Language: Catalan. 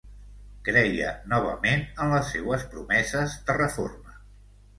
Creia novament en les seues promeses de reforma.